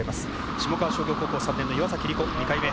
下川商業高校３年の岩崎里胡２回目。